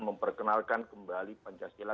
memperkenalkan kembali pancasila